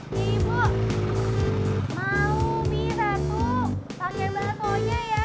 pakai bahasanya ya